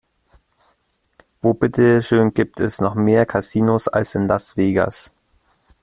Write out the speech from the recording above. Wo bitte schön gibt es noch mehr Casinos als in Las Vegas?